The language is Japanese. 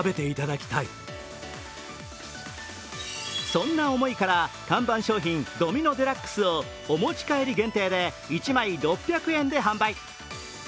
そんな思いから、看板商品ドミノ・デラックスをお持ち帰り限定で１枚６００円で販売。